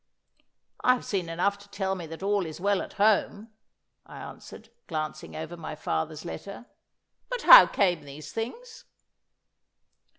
'I have seen enough to tell me that all is well at home,' I answered, glancing over my father's letter. 'But how came these things?